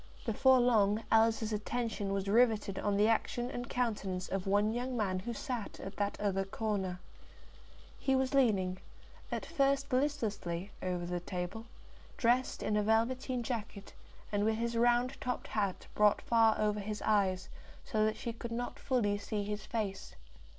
Before long Alice's attention was riveted on the action and countenance of one young man who sat at that other corner. He was leaning, at first listlessly, over the table, dressed in a velveteen jacket, and with his round topped hat brought far over his eyes, so that she could not fully see his face.